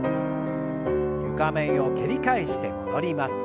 床面を蹴り返して戻ります。